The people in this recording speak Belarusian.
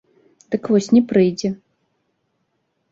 Дык вось не прыйдзе.